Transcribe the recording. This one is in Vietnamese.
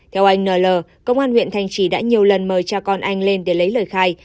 theo anh nl công an huyện thanh trì đã nhiều lần mời cha con anh lên để lấy lời khai